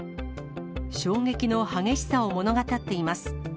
衝撃の激しさを物語っています。